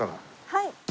はい。